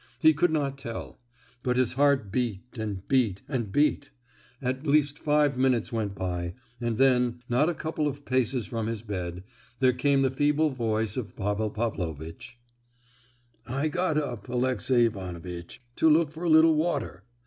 He could not tell; but his heart beat, and beat, and beat—At least five minutes went by, and then, not a couple of paces from his bed, there came the feeble voice of Pavel Pavlovitch: "I got up, Alexey Ivanovitch, to look for a little water.